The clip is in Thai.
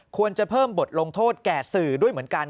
ควรจะเพิ่มบทลงโทษแก่สื่อด้วยเหมือนกัน